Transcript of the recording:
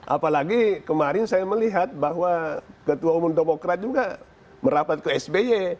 apalagi kemarin saya melihat bahwa ketua umum demokrat juga merapat ke sby